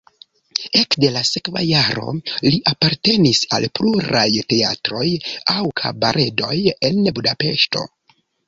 Ekde la sekva jaro li apartenis al pluraj teatroj aŭ kabaredoj en Budapeŝto.